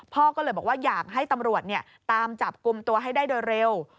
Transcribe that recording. พ่อก็เลยบอกว่าอยากให้ตำรวจตามจับกลุ่มตัวให้ได้โดยเร็ว